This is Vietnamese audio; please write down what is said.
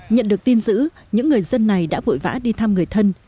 nhận được tin giữ những người dân này đã vội vã đi thăm người thân